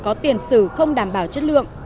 có tiền xử không đảm bảo chất lượng